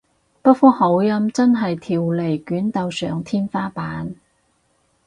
北方口音真係條脷捲到上天花板